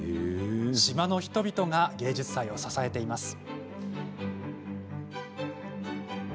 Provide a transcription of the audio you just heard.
島の人々が芸術祭を支えています。